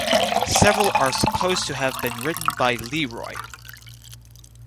Several are supposed to have been written by Leroy.